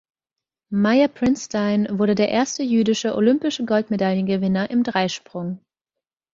Meyer Prinstein wurde der erste jüdische olympische Goldmedaillengewinner im Dreisprung.